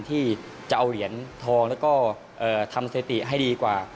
ที่จะเอาเหรียญทองแล้วก็ทำสถิติให้ดีกว่า